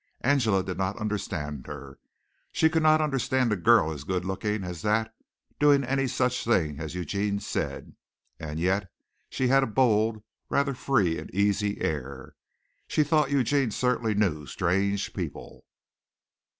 Angela did not understand her. She could not understand a girl as good looking as that doing any such thing as Eugene said, and yet she had a bold, rather free and easy air. She thought Eugene certainly knew strange people.